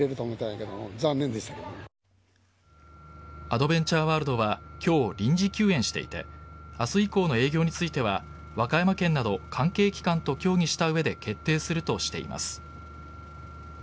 アドベンチャーワールドは今日、臨時休園していて明日以降の営業については和歌山県など関係機関と協議した上で決定するとしています。